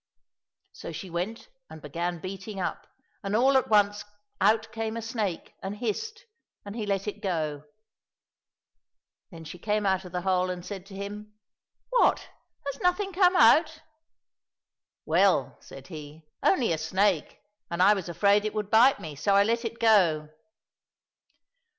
So she went and began beating up, and all at once out came a snake and hissed, and he let it go. Then she came out of the hole and said to him, '* What ! has nothing come out ?"—" Well," said he, " only a snake, and I was afraid it would bite me, so I let it go."